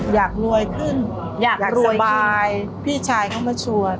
อยากรวยขึ้นอยากรวยบายพี่ชายเขามาชวน